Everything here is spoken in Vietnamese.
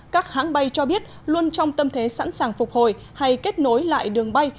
các hãng bay cho biết luôn trong tâm thế sẵn sàng phục hồi hay kết nối lại đường bay